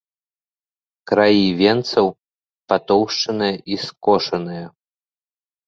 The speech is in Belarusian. Краі венцаў патоўшчаныя і скошаныя.